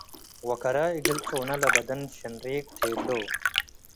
ወከራይ እግል ጹነ ለበደን ሽንሪቅ ቴሎ'።